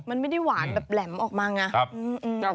มันไม่ได้หวานแบบแหลมออกมาไง